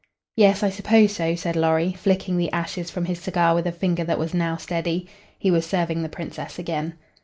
"Yes, I suppose so," said Lorry, flicking the ashes from his cigar with a finger that was now steady. He was serving the Princess again.